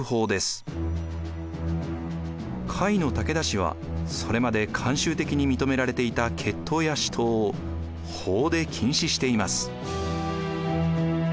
甲斐の武田氏はそれまで慣習的に認められていた決闘や私闘を法で禁止しています。